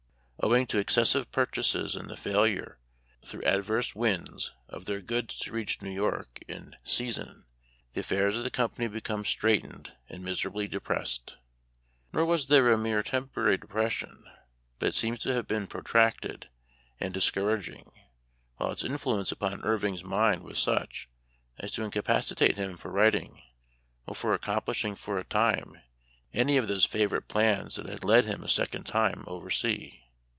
Owing to excessive purchases, and the failure, through adverse winds, of their goods to reach New York in season, the affairs of the company became straitened and miserably depressed. Nor was there a mere temporary depression, but it seems to have been protracted and dis couraging, while its influence upon Irving' s mind was such as to incapacitate him for writ ing, or for accomplishing for a time any of those favorite plans that had led him a second time over sea.